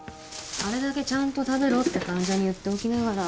あれだけちゃんと食べろって患者に言っておきながら。